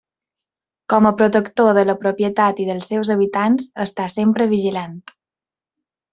Com a protector de la propietat i dels seus habitants està sempre vigilant.